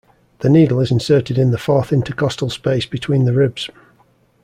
The needle is inserted in the fourth intercostal space between the ribs.